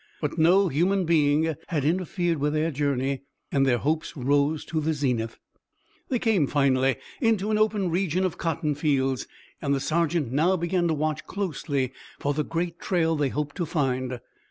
But no human being had interfered with their journey, and their hopes rose to the zenith. They came, finally, into an open region of cotton fields, and the sergeant now began to watch closely for the great trail they hoped to find.